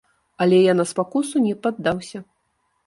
Але я на спакусу не паддаўся.